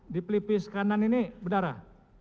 di pelipis kanan ini berdarah